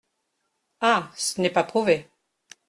Ah ! ce n’est pas prouvé.